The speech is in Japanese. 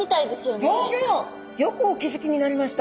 よくお気付きになりました。